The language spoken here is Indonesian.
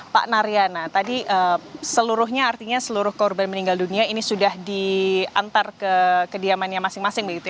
pak naryana tadi seluruhnya artinya seluruh korban meninggal dunia ini sudah diantar ke kediamannya masing masing